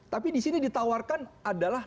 tapi di sini ditawarkan adalah